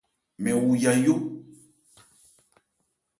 Mɛn wu yayó.